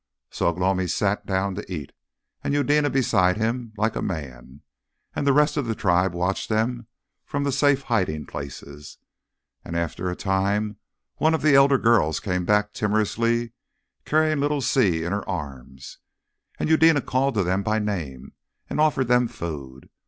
So Ugh lomi sat down to eat, and Eudena beside him like a man, and the rest of the tribe watched them from safe hiding places. And after a time one of the elder girls came back timorously, carrying little Si in her arms, and Eudena called to them by name, and offered them food.